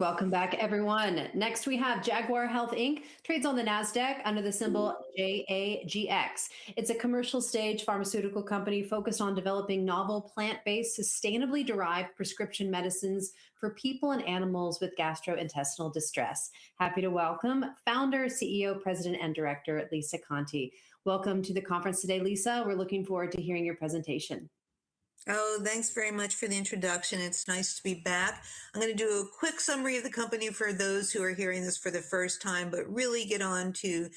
Welcome back, everyone. Next, we have Jaguar Health, Inc., trades on the NASDAQ under the symbol JAGX. It's a commercial-stage pharmaceutical company focused on developing novel, plant-based, sustainably derived prescription medicines for people and animals with gastrointestinal distress. Happy to welcome founder, CEO, president, and director, Lisa Conte. Welcome to the conference today, Lisa. We're looking forward to hearing your presentation. Thanks very much for the introduction. It's nice to be back. I'm going to do a quick summary of the company for those who are hearing this for the first time, really get onto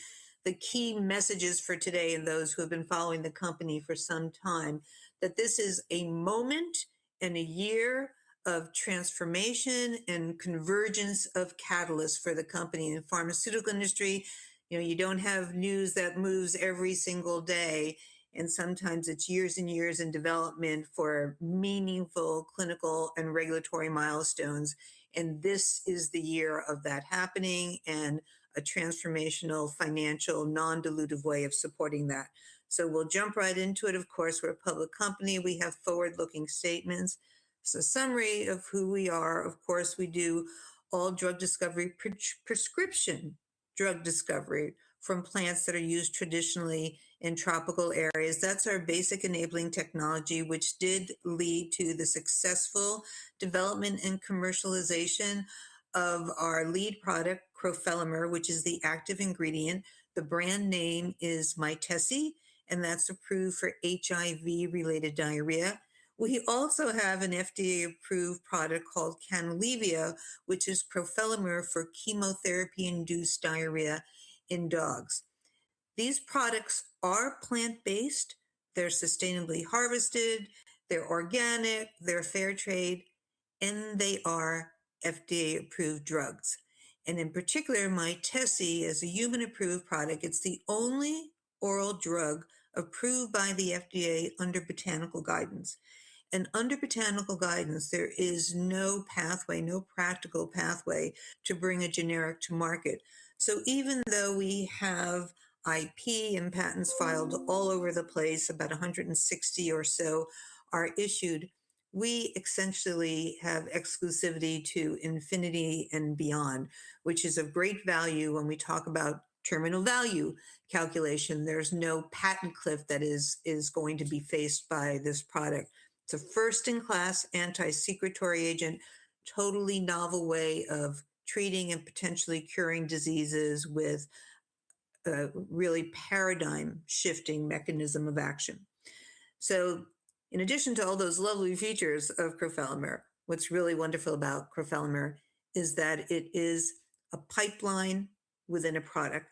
the key messages for today and those who have been following the company for some time, that this is a moment and a year of transformation and convergence of catalysts for the company. In the pharmaceutical industry, you don't have news that moves every single day, sometimes it's years and years in development for meaningful clinical and regulatory milestones, this is the year of that happening, and a transformational financial non-dilutive way of supporting that. We'll jump right into it. Of course, we're a public company. We have forward-looking statements. A summary of who we are. Of course, we do all prescription drug discovery from plants that are used traditionally in tropical areas. That's our basic enabling technology, which did lead to the successful development and commercialization of our lead product, crofelemer, which is the active ingredient. The brand name is Mytesi, and that's approved for HIV-related diarrhea. We also have an FDA-approved product called Canalevia, which is crofelemer for chemotherapy-induced diarrhea in dogs. These products are plant-based, they're sustainably harvested, they're organic, they're fair trade, they are FDA-approved drugs. In particular, Mytesi is a human-approved product. It's the only oral drug approved by the FDA under botanical guidance. Under botanical guidance, there is no practical pathway to bring a generic to market. Even though we have IP and patents filed all over the place, about 160 or so are issued, we essentially have exclusivity to infinity and beyond, which is of great value when we talk about terminal value calculation. There's no patent cliff that is going to be faced by this product. It's a first-in-class anti-secretory agent, totally novel way of treating and potentially curing diseases with a really paradigm-shifting mechanism of action. In addition to all those lovely features of crofelemer, what's really wonderful about crofelemer is that it is a pipeline within a product.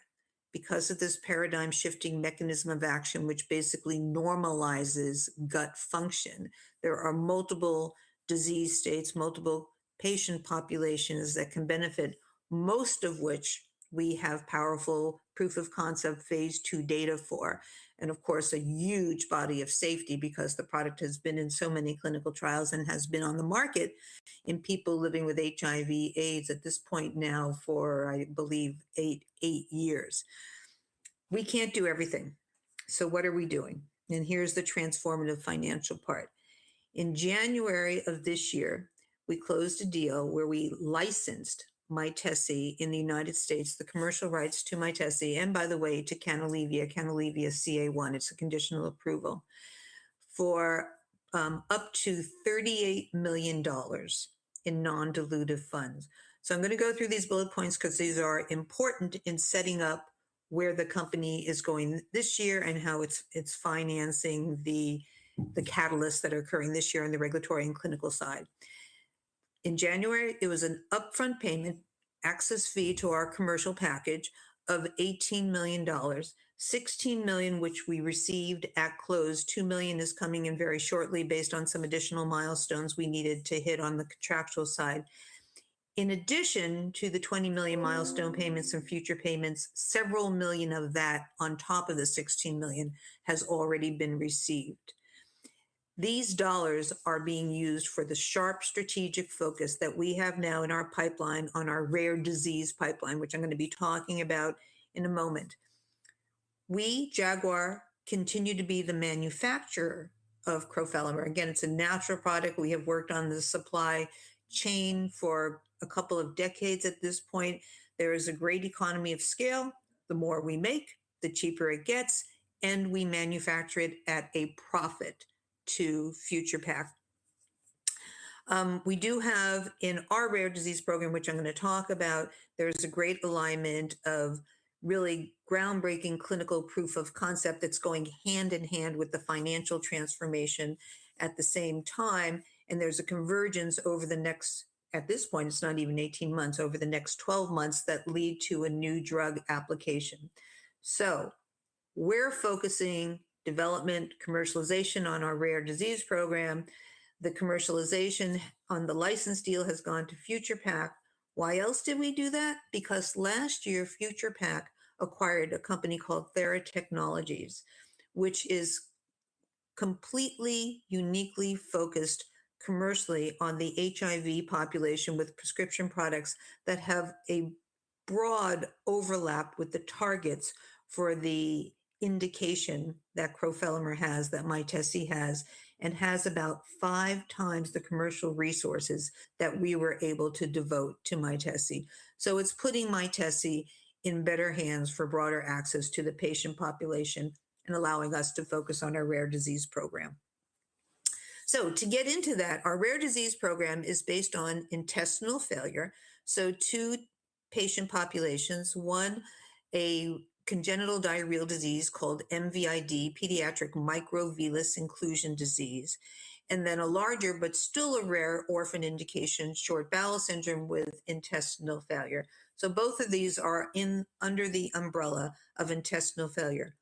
Because of this paradigm-shifting mechanism of action, which basically normalizes gut function, there are multiple disease states, multiple patient populations that can benefit, most of which we have powerful proof-of-concept Phase II data for. Of course, a huge body of safety because the product has been in so many clinical trials and has been on the market in people living with HIV/AIDS at this point now for, I believe, eight years. We can't do everything. What are we doing? Here's the transformative financial part. In January of this year, we closed a deal where we licensed Mytesi in the United States, the commercial rights to Mytesi, and by the way, to Canalevia-CA1, it's a conditional approval, for up to $38 million in non-dilutive funds. I'm going to go through these bullet points because these are important in setting up where the company is going this year and how it's financing the catalysts that are occurring this year on the regulatory and clinical side. In January, it was an upfront payment access fee to our commercial package of $18 million, $16 million which we received at close. $2 million is coming in very shortly based on some additional milestones we needed to hit on the contractual side. In addition to the $20 million milestone payments and future payments, several million of that on top of the $16 million has already been received. These dollars are being used for the sharp strategic focus that we have now in our pipeline on our rare disease pipeline, which I'm going to be talking about in a moment. We, Jaguar, continue to be the manufacturer of crofelemer. Again, it's a natural product. We have worked on the supply chain for a couple of decades at this point. There is a great economy of scale. The more we make, the cheaper it gets, and we manufacture it at a profit to Future Pak. We do have in our rare disease program, which I'm going to talk about, there's a great alignment of really groundbreaking clinical proof of concept that's going hand in hand with the financial transformation at the same time, and there's a convergence over the next, at this point, it's not even 18 months, over the next 12 months that lead to a new drug application. We're focusing development commercialization on our rare disease program. The commercialization on the license deal has gone to Future Pak. Why else did we do that? Last year, Future Pak acquired a company called Theratechnologies, which is completely uniquely focused commercially on the HIV population with prescription products that have abroad overlap with the targets for the indication that crofelemer has, that Mytesi has, and has about 5x the commercial resources that we were able to devote to Mytesi. It's putting Mytesi in better hands for broader access to the patient population and allowing us to focus on our rare disease program. To get into that, our rare disease program is based on intestinal failure. Two patient populations, one, a congenital diarrheal disease called MVID, pediatric microvillus inclusion disease, and then a larger, but still a rare orphan indication, Short Bowel Syndrome with intestinal failure. Both of these are under the umbrella of intestinal failure.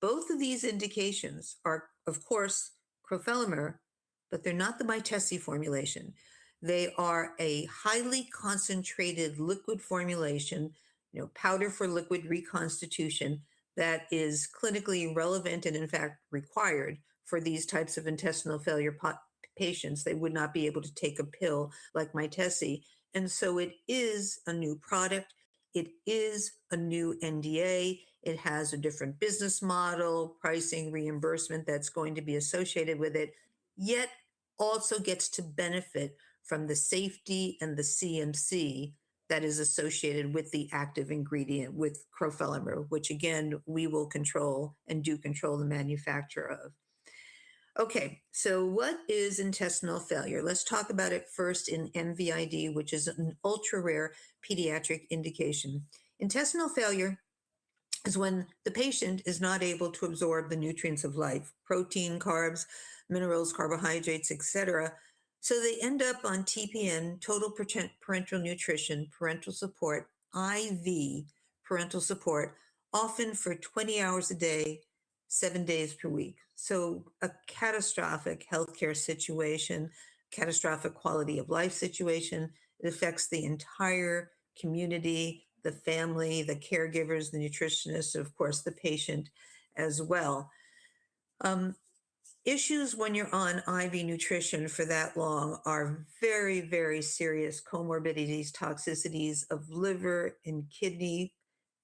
Both of these indications are, of course, crofelemer, but they're not the Mytesi formulation. They are a highly concentrated liquid formulation, powder for liquid reconstitution, that is clinically relevant and, in fact, required for these types of intestinal failure patients. They would not be able to take a pill like Mytesi. It is a new product. It is a new NDA. It has a different business model, pricing reimbursement that is going to be associated with it, yet also gets to benefit from the safety and the CMC that is associated with the active ingredient, with crofelemer, which again, we will control and do control the manufacture of. What is intestinal failure? Let's talk about it first in MVID, which is an ultra-rare pediatric indication. Intestinal failure is when the patient is not able to absorb the nutrients of life, protein, carbs, minerals, carbohydrates, et cetera. They end up on TPN, total parental nutrition, parental support, IV parental support, often for 20 hours a day, seven days per week. A catastrophic healthcare situation, catastrophic quality-of-life situation. It affects the entire community, the family, the caregivers, the nutritionists, of course, the patient as well. Issues when you are on IV nutrition for that long are very serious comorbidities, toxicities of liver and kidney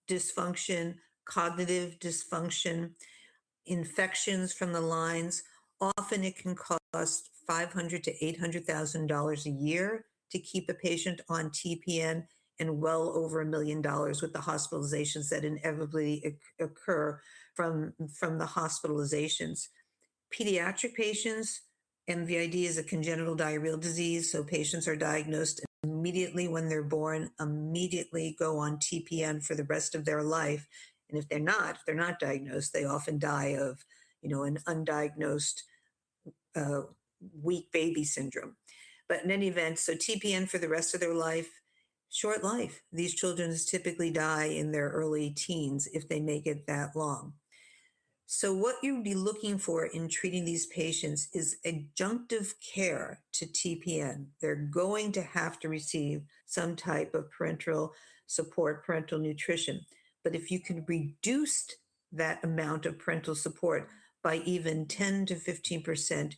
dysfunction, cognitive dysfunction, infections from the lines. Often it can cost $500,000-$800,000 a year to keep a patient on TPN and well over $1 million with the hospitalizations that inevitably occur from the hospitalizations. Pediatric patients, MVID is a congenital diarrheal disease, patients are diagnosed immediately when they are born, immediately go on TPN for the rest of their life. If they are not diagnosed, they often die of an undiagnosed weak baby syndrome. In any event, TPN for the rest of their life, short life. These children typically die in their early teens if they make it that long. What you would be looking for in treating these patients is adjunctive care to TPN. They are going to have to receive some type of parental support, parental nutrition. If you can reduce that amount of parental support by even 10%-15%, it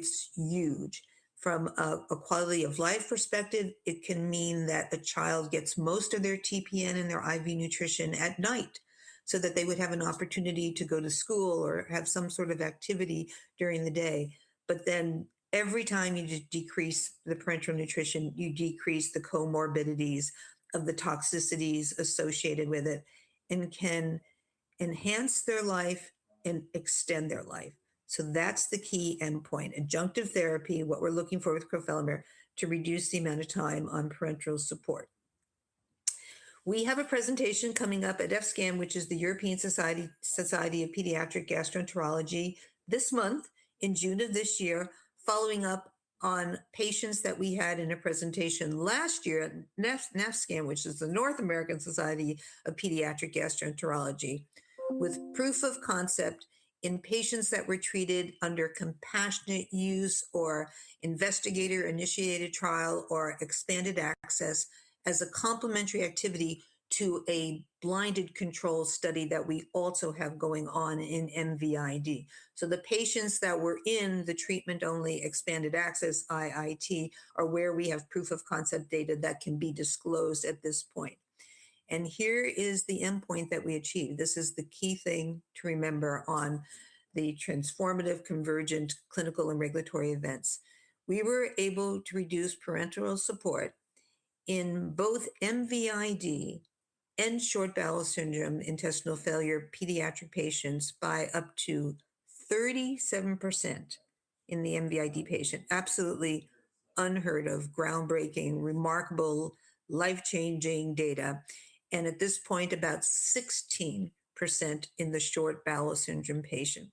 is huge. From a quality-of-life perspective, it can mean that a child gets most of their TPN and their IV nutrition at night so that they would have an opportunity to go to school or have some sort of activity during the day. But then every time you decrease the parenteral nutrition, you decrease the comorbidities of the toxicities associated with it and can enhance their life and extend their life. That is the key endpoint, adjunctive therapy, what we are looking for with crofelemer to reduce the amount of time on parenteral support. We have a presentation coming up at ESPGHAN, which is the European Society of Paediatric Gastroenterology, this month in June of this year, following up on patients that we had in a presentation last year at NASPGHAN, which is the North American Society of Pediatric Gastroenterology, with proof of concept in patients that were treated under compassionate use or investigator-initiated trial or expanded access as a complementary activity to a blinded control study that we also have going on in MVID. The patients that were in the treatment-only expanded access, IIT, are where we have proof of concept data that can be disclosed at this point. Here is the endpoint that we achieved. This is the key thing to remember on the transformative convergent clinical and regulatory events. We were able to reduce parenteral support in both MVID and short bowel syndrome intestinal failure pediatric patients by up to 37% in the MVID patient. Absolutely unheard of, groundbreaking, remarkable, life-changing data. At this point, about 16% in the short bowel syndrome patient.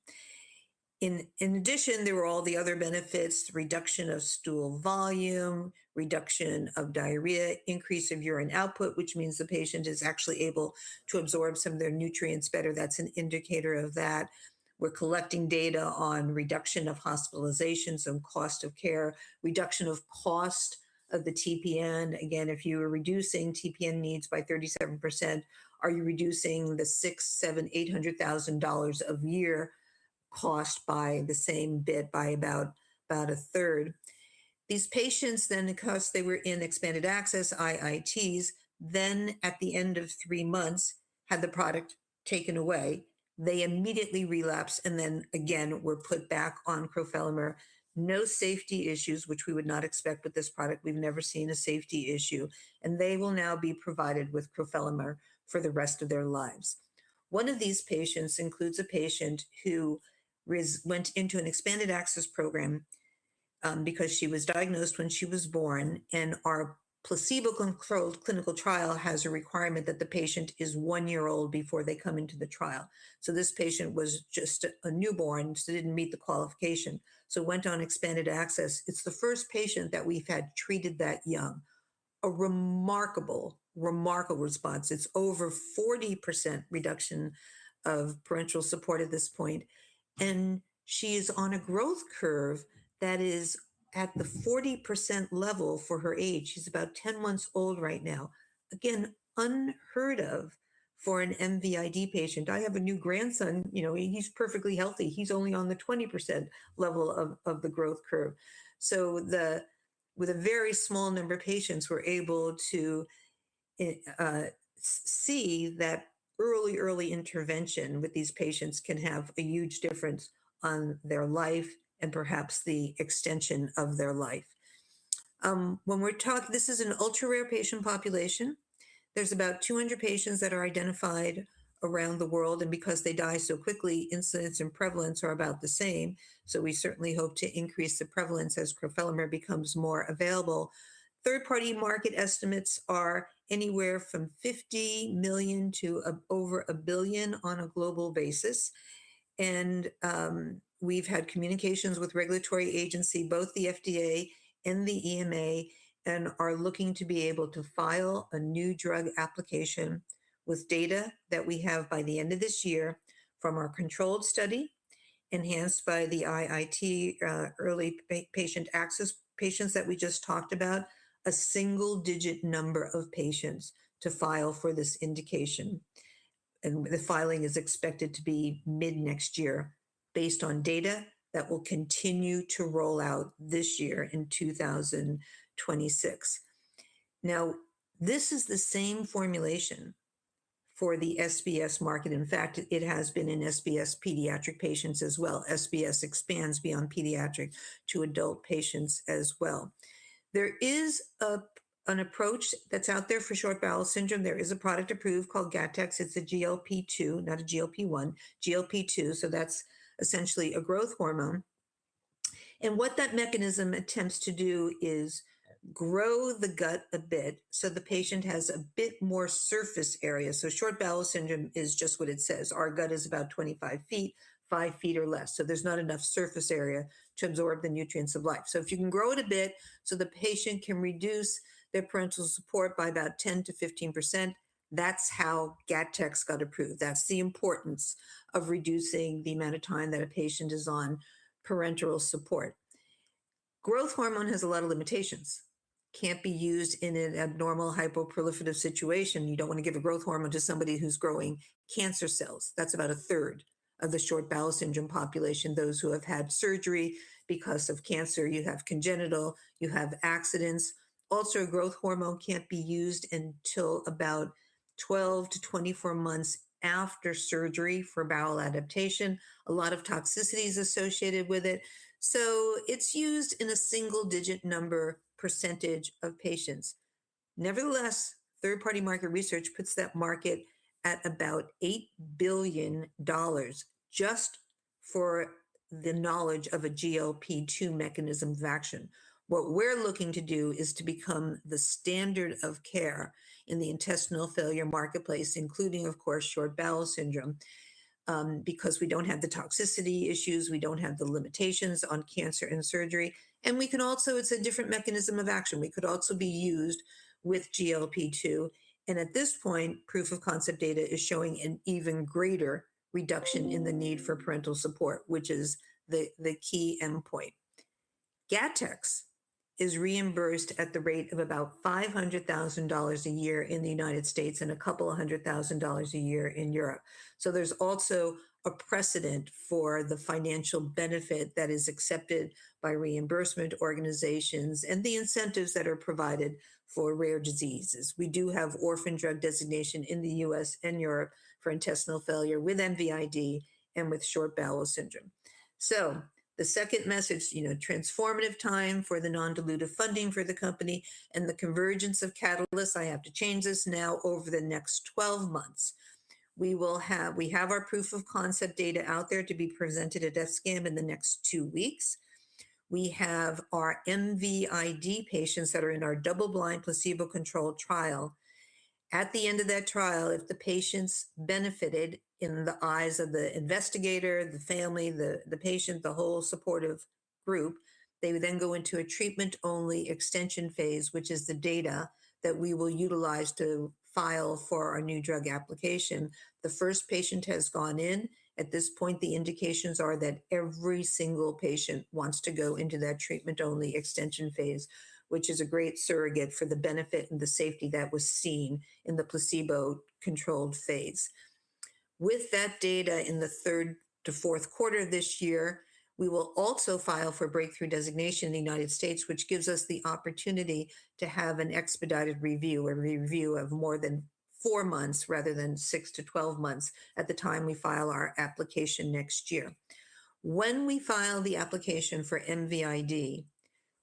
In addition, there were all the other benefits, reduction of stool volume, reduction of diarrhea, increase of urine output, which means the patient is actually able to absorb some of their nutrients better. That's an indicator of that. We're collecting data on reduction of hospitalization, so cost of care, reduction of cost of the TPN. Again, if you are reducing TPN needs by 37%, are you reducing the $600,000, $700,000, $800,000 a year cost by the same bit by about a third. These patients then, because they were in expanded access IITs, at the end of three months, had the product taken away. They immediately relapsed and then again were put back on crofelemer. No safety issues, which we would not expect with this product. We've never seen a safety issue, and they will now be provided with crofelemer for the rest of their lives. One of these patients includes a patient who went into an expanded access program because she was diagnosed when she was born, and our placebo-controlled clinical trial has a requirement that the patient is one year old before they come into the trial. So this patient was just a newborn, so didn't meet the qualification, so went on expanded access. It's the first patient that we've had treated that young. A remarkable response. It's over 40% reduction of parenteral support at this point, and she's on a growth curve that is at the 40% level for her age. She's about 10 months old right now. Again, unheard of for an MVID patient. I have a new grandson. He's perfectly healthy. He's only on the 20% level of the growth curve. So with a very small number of patients, we're able to see that early intervention with these patients can have a huge difference on their life, and perhaps the extension of their life. This is an ultra-rare patient population. There's about 200 patients that are identified around the world, and because they die so quickly, incidence and prevalence are about the same. So we certainly hope to increase the prevalence as crofelemer becomes more available. Third-party market estimates are anywhere from $50 million-$1 billion on a global basis. We've had communications with regulatory agency, both the FDA and the EMA, and are looking to be able to file a new drug application with data that we have by the end of this year from our controlled study, enhanced by the IIT early patient access patients that we just talked about, a single-digit number of patients to file for this indication. The filing is expected to be mid-next year based on data that will continue to roll out this year in 2026. This is the same formulation for the SBS market. In fact, it has been in SBS pediatric patients as well. SBS expands beyond pediatric to adult patients as well. There is an approach that's out there for short bowel syndrome. There is a product approved called GATTEX. It's a GLP-2, not a GLP-1. GLP-2, so that's essentially a growth hormone. What that mechanism attempts to do is grow the gut a bit, so the patient has a bit more surface area. Short bowel syndrome is just what it says. Our gut is about 25 ft, 5 ft or less. There's not enough surface area to absorb the nutrients of life. If you can grow it a bit so the patient can reduce their parenteral support by about 10%-15%, that's how GATTEX got approved. That's the importance of reducing the amount of time that a patient is on parenteral support. Growth hormone has a lot of limitations. Can't be used in an abnormal hyperproliferative situation. You don't want to give a growth hormone to somebody who's growing cancer cells. That's about a third of the short bowel syndrome population, those who have had surgery because of cancer. You have congenital, you have accidents. Also, a growth hormone can't be used until about 12-24 months after surgery for bowel adaptation. A lot of toxicity is associated with it. It's used in a single-digit number percentage of patients. Nevertheless, third-party market research puts that market at about $8 billion just for the knowledge of a GLP-2 mechanism of action. What we're looking to do is to become the standard of care in the intestinal failure marketplace, including, of course, short bowel syndrome, because we don't have the toxicity issues, we don't have the limitations on cancer and surgery. It's a different mechanism of action. We could also be used with GLP-2. At this point, proof of concept data is showing an even greater reduction in the need for parenteral support, which is the key endpoint. GATTEX is reimbursed at the rate of about $500,000 a year in the United States and a couple of hundred thousand dollars a year in Europe. There's also a precedent for the financial benefit that is accepted by reimbursement organizations and the incentives that are provided for rare diseases. We do have orphan drug designation in the U.S. and Europe for intestinal failure with MVID and with short bowel syndrome. The second message, transformative time for the non-dilutive funding for the company and the convergence of catalysts, I have to change this now over the next 12 months. We have our proof of concept data out there to be presented at ESICM in the next two weeks. We have our MVID patients that are in our double-blind placebo-controlled trial. At the end of that trial, if the patients benefited in the eyes of the investigator, the family, the patient, the whole supportive group, they would then go into a treatment-only extension phase, which is the data that we will utilize to file for our new drug application. The first patient has gone in. At this point, the indications are that every single patient wants to go into that treatment-only extension phase, which is a great surrogate for the benefit and the safety that was seen in the placebo-controlled phase. With that data in the third to fourth quarter this year, we will also file for breakthrough designation in the United States, which gives us the opportunity to have an expedited review, a review of more than four months rather than six to 12 months at the time we file our application next year. When we file the application for MVID,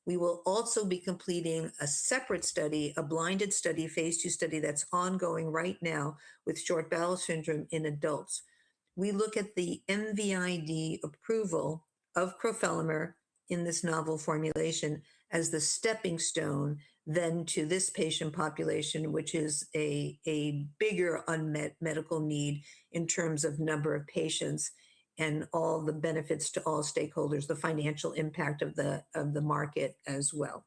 we will also be completing a separate study, a blinded study, phase II study that's ongoing right now with short bowel syndrome in adults. We look at the MVID approval of crofelemer in this novel formulation as the stepping stone to this patient population, which is a bigger unmet medical need in terms of number of patients and all the benefits to all stakeholders, the financial impact of the market as well.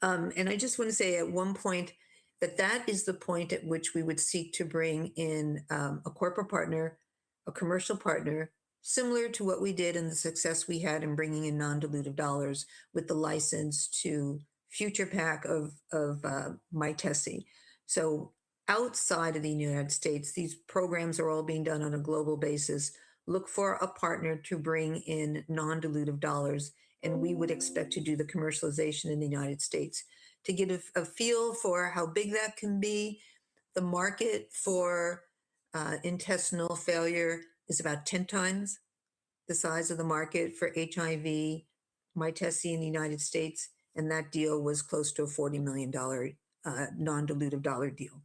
I just want to say at one point that that is the point at which we would seek to bring in a corporate partner, a commercial partner, similar to what we did and the success we had in bringing in non-dilutive dollars with the license to Future Pak of Mytesi. Outside of the U.S., these programs are all being done on a global basis. Look for a partner to bring in non-dilutive dollars, and we would expect to do the commercialization in the U.S. To give a feel for how big that can be, the market for intestinal failure is about 10x the size of the market for HIV Mytesi in the U.S., and that deal was close to a $40 million non-dilutive dollar deal.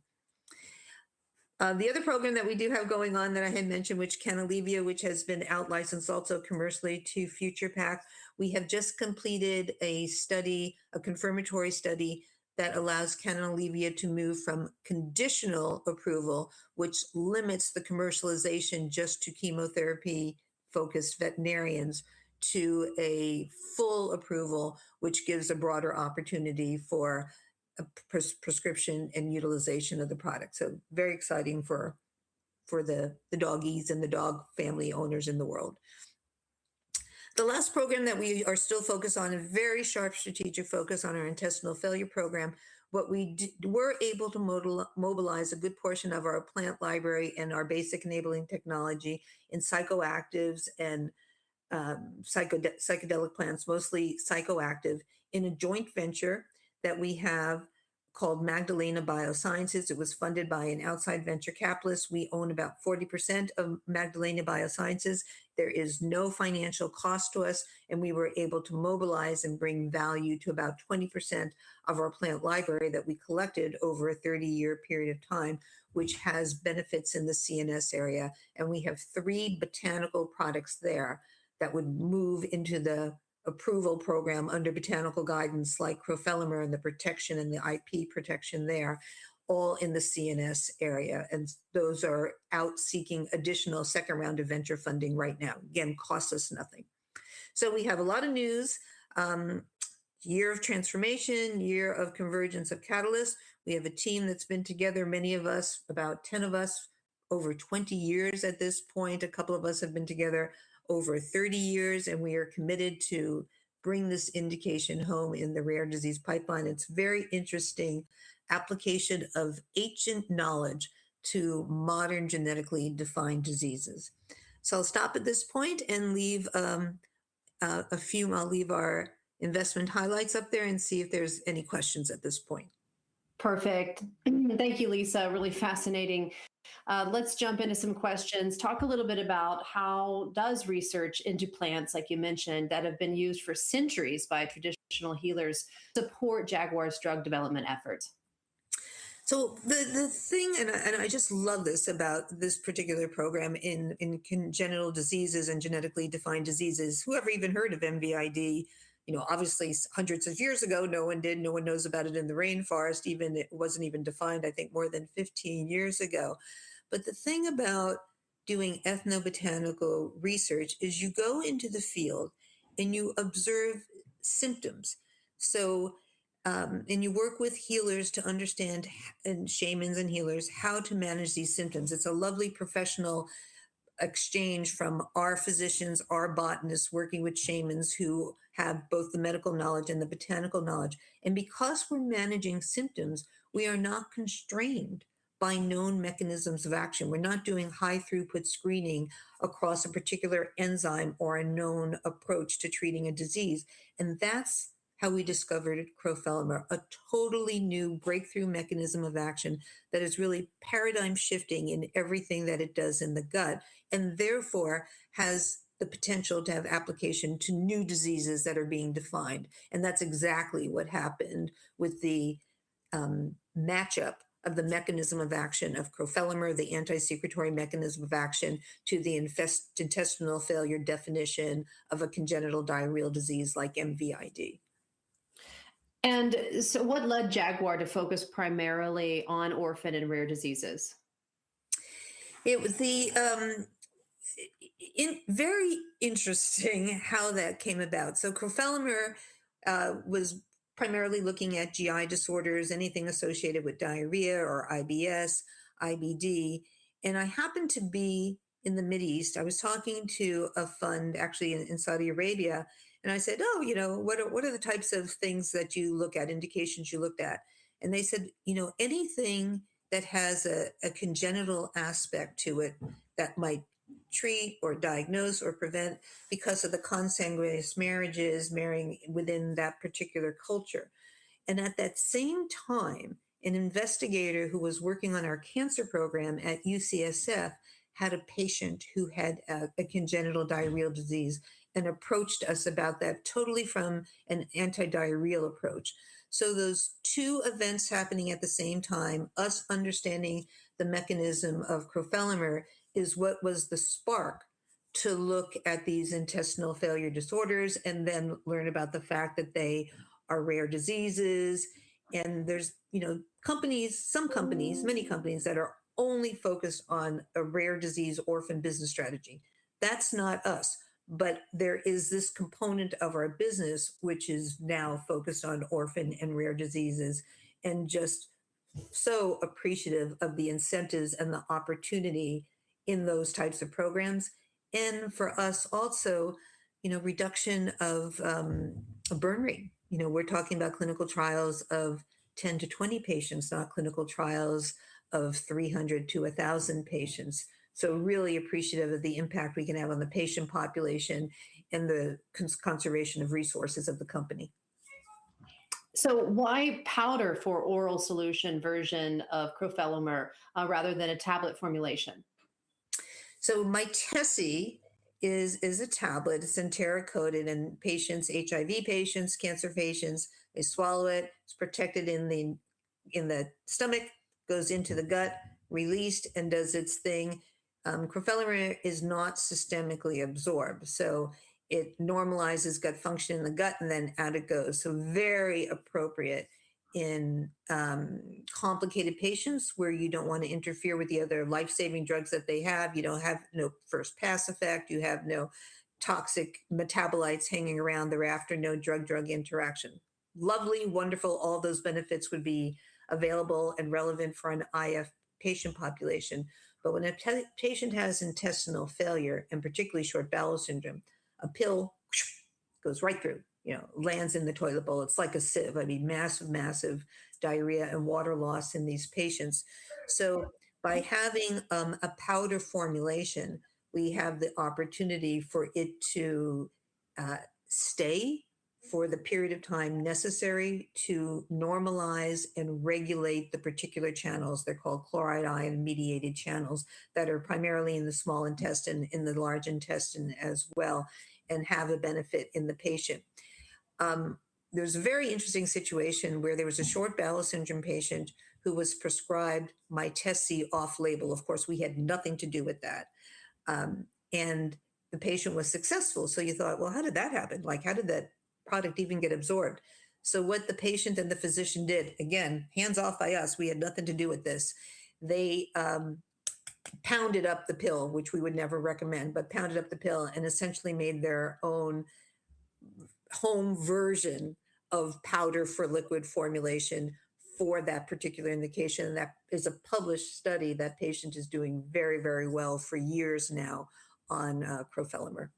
The other program that we do have going on that I hadn't mentioned, which is Canalevia, which has been out-licensed also commercially to Future Pak. We have just completed a confirmatory study that allows Canalevia to move from conditional approval, which limits the commercialization just to chemotherapy-focused veterinarians, to a full approval, which gives a broader opportunity for prescription and utilization of the product. Very exciting for the doggies and the dog family owners in the world. The last program that we are still focused on, a very sharp strategic focus on our intestinal failure program. What we did, we're able to mobilize a good portion of our plant library and our basic enabling technology in psychoactives and psychedelic plants, mostly psychoactive, in a joint venture that we have called Magdalena Biosciences. It was funded by an outside venture capitalist. We own about 40% of Magdalena Biosciences. There is no financial cost to us, and we were able to mobilize and bring value to about 20% of our plant library that we collected over a 30-year period of time, which has benefits in the CNS area. We have three botanical products there that would move into the approval program under botanical guidance like crofelemer and the protection and the IP protection there, all in the CNS area. Those are out seeking additional second round of venture funding right now. Again, costs us nothing. We have a lot of news. Year of transformation, year of convergence of catalysts. We have a team that's been together, many of us, about 10 of us, over 20 years at this point. A couple of us have been together over 30 years, and we are committed to bring this indication home in the rare disease pipeline. It's very interesting application of ancient knowledge to modern genetically defined diseases. I'll stop at this point. I'll leave our investment highlights up there and see if there's any questions at this point. Perfect. Thank you, Lisa. Really fascinating. Let's jump into some questions. Talk a little bit about how does research into plants, like you mentioned, that have been used for centuries by traditional healers support Jaguar's drug development efforts. The thing, I just love this about this particular program in congenital diseases and genetically defined diseases. Whoever even heard of MVID? Obviously, hundreds of years ago, no one did. No one knows about it in the rainforest. It wasn't even defined, I think, more than 15 years ago. The thing about doing ethnobotanical research is you go into the field and you observe symptoms. You work with healers to understand, and shamans and healers, how to manage these symptoms. It's a lovely professional exchange from our physicians, our botanists working with shamans who have both the medical knowledge and the botanical knowledge. Because we're managing symptoms, we are not constrained by known mechanisms of action. We're not doing high-throughput screening across a particular enzyme or a known approach to treating a disease. That's how we discovered crofelemer, a totally new breakthrough mechanism of action that is really paradigm-shifting in everything that it does in the gut, therefore has the potential to have application to new diseases that are being defined. That's exactly what happened with the match-up of the mechanism of action of crofelemer, the anti-secretory mechanism of action to the intestinal failure definition of a congenital diarrheal disease like MVID. What led Jaguar to focus primarily on orphan and rare diseases? It was very interesting how that came about. crofelemer was primarily looking at GI disorders, anything associated with diarrhea or IBS, IBD. I happened to be in the Mid East. I was talking to a fund actually in Saudi Arabia, and I said, "Oh, what are the types of things that you look at, indications you looked at?" And they said, "Anything that has a congenital aspect to it that might treat or diagnose or prevent because of the consanguineous marriages, marrying within that particular culture." At that same time, an investigator who was working on our cancer program at UCSF had a patient who had a congenital diarrheal disease and approached us about that totally from an anti-diarrheal approach. Those two events happening at the same time, us understanding the mechanism of crofelemer, is what was the spark to look at these intestinal failure disorders and then learn about the fact that they are rare diseases. There's some companies, many companies, that are only focused on a rare disease orphan business strategy. That's not us, but there is this component of our business which is now focused on orphan and rare diseases, and just so appreciative of the incentives and the opportunity in those types of programs. For us also, reduction of burn rate. We're talking about clinical trials of 10-20 patients, not clinical trials of 300-1,000 patients. Really appreciative of the impact we can have on the patient population and the conservation of resources of the company. Why powder for oral solution version of crofelemer rather than a tablet formulation? Mytesi is a tablet. It's enteric-coated and patients, HIV patients, cancer patients, they swallow it's protected in the stomach, goes into the gut, released, and does its thing. crofelemer is not systemically absorbed, so it normalizes gut function in the gut and then out it goes. Very appropriate in complicated patients where you don't want to interfere with the other life-saving drugs that they have. You don't have no first pass effect. You have no toxic metabolites hanging around thereafter, no drug interaction. Lovely, wonderful, all those benefits would be available and relevant for an IF patient population. But when a patient has intestinal failure, and particularly Short Bowel Syndrome, a pill goes right through, lands in the toilet bowl. It's like a sieve. Massive, massive diarrhea and water loss in these patients. So by having a powder formulation, we have the opportunity for it to stay for the period of time necessary to normalize and regulate the particular channels. They're called chloride ion mediated channels that are primarily in the small intestine, in the large intestine as well, and have a benefit in the patient. There's a very interesting situation where there was a Short Bowel Syndrome patient who was prescribed Mytesi off-label. Of course, we had nothing to do with that. The patient was successful, you thought, "Well, how did that happen? How did that product even get absorbed?" What the patient and the physician did, again, hands off by us, we had nothing to do with this. They pounded up the pill, which we would never recommend, pounded up the pill and essentially made their own home version of powder for liquid formulation for that particular indication. That is a published study. That patient is doing very well for years now on crofelemer.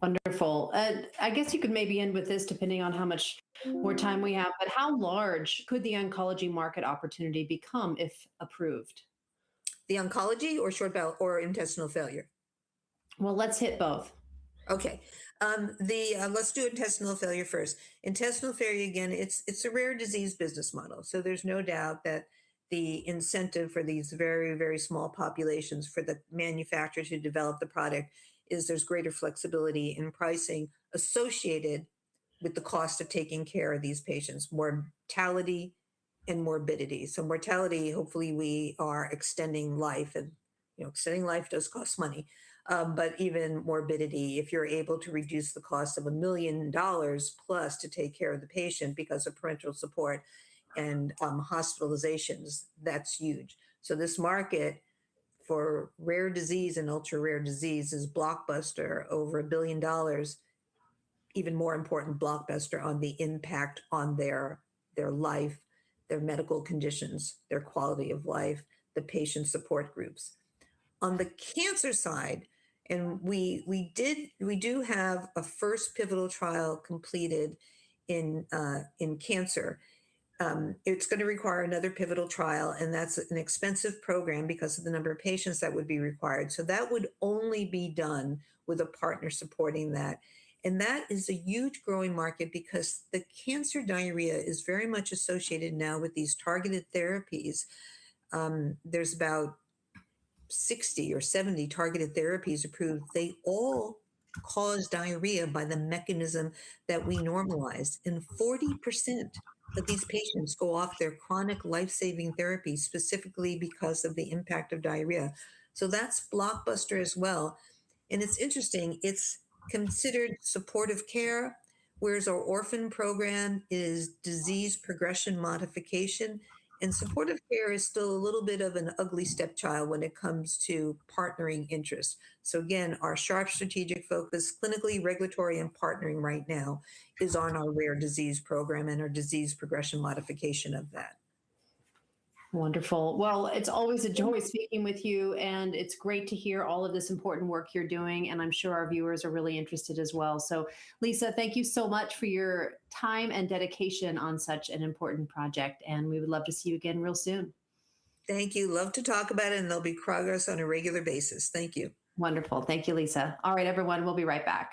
Wonderful. I guess you could maybe end with this, depending on how much more time we have. How large could the oncology market opportunity become if approved? The oncology or intestinal failure? Let's hit both. Let's do intestinal failure first. Intestinal failure, again, it's a rare disease business model. There's no doubt that the incentive for these very small populations for the manufacturers who develop the product is there's greater flexibility in pricing associated with the cost of taking care of these patients, mortality and morbidity. Mortality, hopefully, we are extending life and extending life does cost money. Even morbidity, if you're able to reduce the cost of $1 million plus to take care of the patient because of parental support and hospitalizations, that's huge. This market for rare disease and ultra-rare disease is blockbuster, over $1 billion. Even more important, blockbuster on the impact on their life, their medical conditions, their quality of life, the patient support groups. On the cancer side, we do have a first pivotal trial completed in cancer. It's going to require another pivotal trial, and that's an expensive program because of the number of patients that would be required. That would only be done with a partner supporting that. That is a huge growing market because the cancer diarrhea is very much associated now with these targeted therapies. There's about 60 or 70 targeted therapies approved. They all cause diarrhea by the mechanism that we normalize, and 40% of these patients go off their chronic life-saving therapy specifically because of the impact of diarrhea. That's blockbuster as well, it's interesting. It's considered supportive care, whereas our orphan program is disease progression modification, supportive care is still a little bit of an ugly stepchild when it comes to partnering interests. Again, our sharp strategic focus, clinically, regulatory, and partnering right now is on our rare disease program and our disease progression modification of that. Wonderful. It's always a joy speaking with you, and it's great to hear all of this important work you're doing, and I'm sure our viewers are really interested as well. Lisa, thank you so much for your time and dedication on such an important project, and we would love to see you again real soon. Thank you. Love to talk about it, and there'll be progress on a regular basis. Thank you. Wonderful. Thank you, Lisa. All right, everyone. We'll be right back.